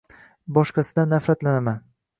Barchasidan nafratlanaman